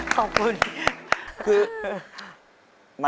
ขอบคุณค่ะ